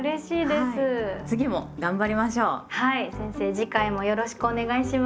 次回もよろしくお願いします。